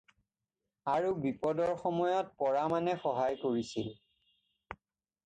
আৰু বিপদৰ সময়ত পৰামানে সহায় কৰিছিল।